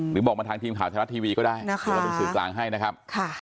หรือบอกมาทางทีมข่าวไทยรัฐทีวีก็ได้นะคะเดี๋ยวเราเป็นสื่อกลางให้นะครับ